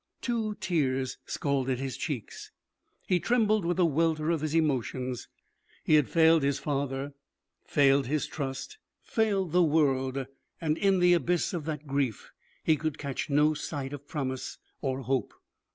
Two tears scalded his cheeks; he trembled with the welter of his emotions. He had failed his father, failed his trust, failed the world; and in the abyss of that grief he could catch no sight of promise or hope.